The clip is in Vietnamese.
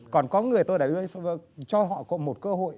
còn có người tôi đã cho họ có một cơ hội